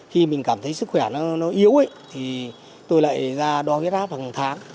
khi mình cảm thấy sức khỏe nó yếu thì tôi lại ra đo huyết áp hàng tháng